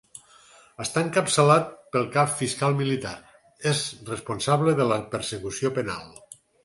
Està encapçalat pel Cap Fiscal Militar, és responsable de la persecució penal.